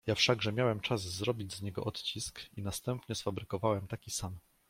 "Ja wszakże miałem czas zrobić z niego odcisk i następnie sfabrykowałem taki sam."